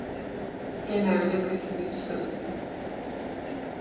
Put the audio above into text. Gene öyle kötü kötü sırıttı.